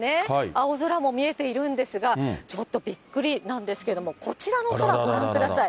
青空も見えているんですが、ちょっとびっくりなんですけれども、こちらの空、ご覧ください。